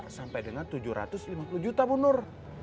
sampai dengan tujuh ratus lima puluh juta bu nur